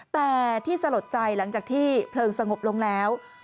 แต่ที่สลดใจหลังจากที่เพลิงสงบลงแล้ว